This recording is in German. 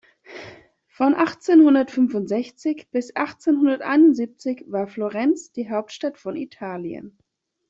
Von achtzehnhundertfünfundsechzig bis achtzehnhunderteinundsiebzig war Florenz die Hauptstadt von Italien.